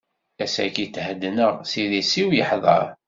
Ass-agi theddneɣ, s idis-iw yeḥdeṛ.